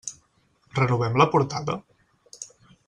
Renovem la portada?